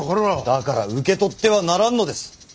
だから受け取ってはならんのです！